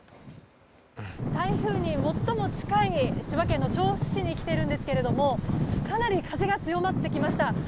台風に最も近い千葉県の銚子市に来ているんですけどもかなり風が強まってきました。